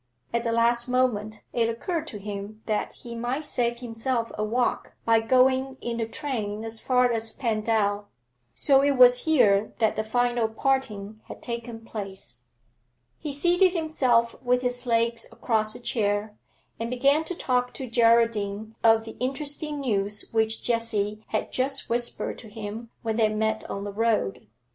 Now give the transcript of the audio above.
At the last moment it occurred to him that he might save himself a walk by going in the train as far as Pendal. So it was here that the final parting had taken place. He seated himself with his legs across a chair, and began to talk to Geraldine of the interesting news which Jessie had just whispered to him when they met on the road.